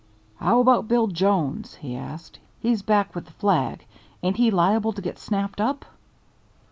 "How about Bill Jones?" he asked. "He's back with the flag. Ain't he liable to get snapped up?"